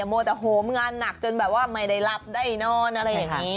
มัวแต่งานหนักจนไม่ได้รับได้นอนอะไรอย่างนี้